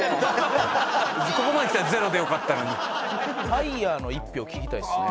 ＦＩＲＥの１票聞きたいですね。